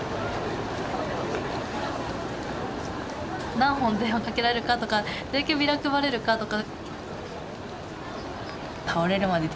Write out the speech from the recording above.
何本電話かけられるかとかどれだけビラ配れるかとか。